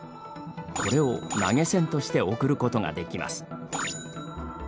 これを投げ銭として送ることができます。